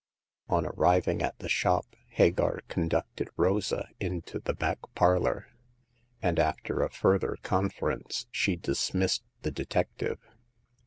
On arriving at the shop Hagar conducted Rosa into the back parlor ; and after a further confer ence she dismissed the detective.